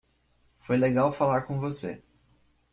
Foi legal falar com você.